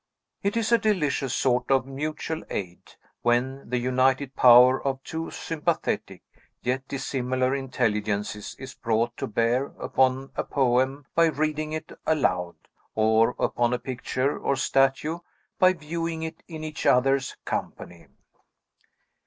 It is a delicious sort of mutual aid, when the united power of two sympathetic, yet dissimilar, intelligences is brought to bear upon a poem by reading it aloud, or upon a picture or statue by viewing it in each other's company.